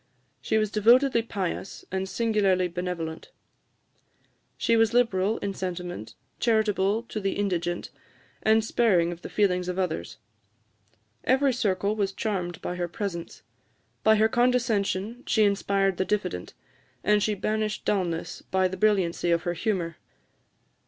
She was devotedly pious, and singularly benevolent: she was liberal in sentiment, charitable to the indigent, and sparing of the feelings of others. Every circle was charmed by her presence; by her condescension she inspired the diffident; and she banished dulness by the brilliancy of her humour.